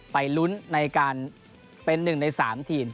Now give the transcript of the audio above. ไปลุ้นในการเป็นหนึ่งในสามทีม